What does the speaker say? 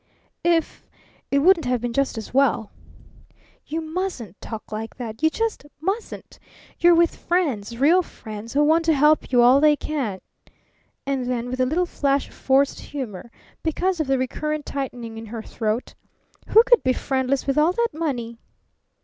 "If it wouldn't have been just as well!" "You mustn't talk like that! You just mustn't! You're with friends, real friends, who want to help you all they can." And then with a little flash of forced humour, because of the recurrent tightening in her throat "Who could be friendless, with all that money?"